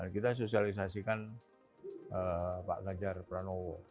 kita sosialisasikan pak ganjar pranowo